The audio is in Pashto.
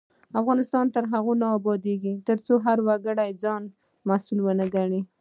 افغانستان تر هغو نه ابادیږي، ترڅو هر وګړی ځان مسؤل ونه ګڼي.